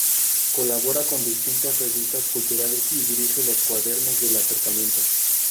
Colabora con distintas revistas culturales y dirige "Los Cuadernos del Acercamiento".